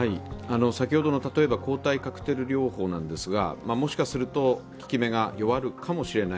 先ほどの抗体カクテル療法ですが、もしかすると効き目が弱るかもしれない。